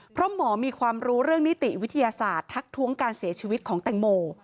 เพราะหมอมีความรู้เรื่องนิติวิทยาศาสตร์ทักท้วงการเสียชีวิตของแตงโม